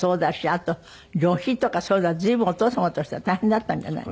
あと旅費とかそういうのは随分お父様としては大変だったんじゃない？